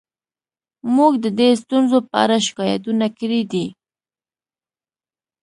موږ د دې ستونزو په اړه شکایتونه کړي دي